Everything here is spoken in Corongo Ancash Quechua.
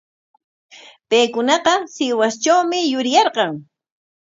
Paykunaqa Sihuastrawmi yuriyarqan.